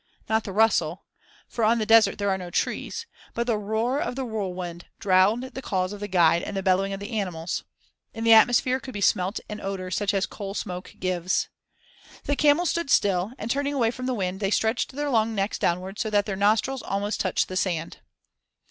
Not the rustle for on the desert there are no trees but the roar of the whirlwind drowned the calls of the guide and the bellowing of the animals. In the atmosphere could be smelt an odor such as coal smoke gives. The camels stood still and, turning away from the wind, they stretched their long necks downward so that their nostrils almost touched the sand.